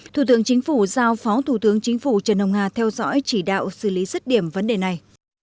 thủ tướng chính phủ giao phó thủ tướng chính phủ trần hồng hà theo dõi chỉ đạo xử lý dứt điểm vấn đề này